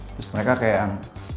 terus mereka kayak